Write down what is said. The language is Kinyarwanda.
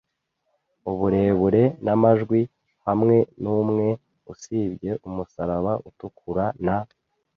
uburebure n'amajwi - hamwe numwe usibye umusaraba utukura na